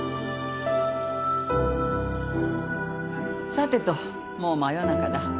さてともう真夜中だ。